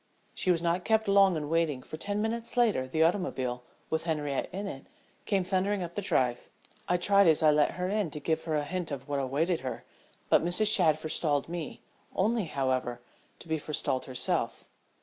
She was not kept long in waiting, for ten minutes later the automobile, with Henriette in it, came thundering up the drive. I tried as I let her in to give her a hint of what awaited her, but Mrs. Shadd forestalled me, only however to be forestalled herself.